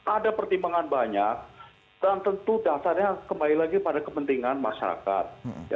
ada pertimbangan banyak dan tentu dasarnya kembali lagi pada kepentingan masyarakat